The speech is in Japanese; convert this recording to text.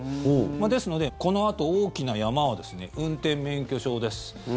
ですので、このあと大きな山は運転免許証です。